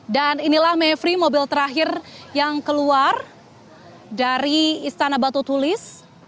dan inilah mevry mobil terakhir yang keluar dari istana batu tulis